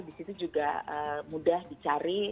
di situ juga mudah dicari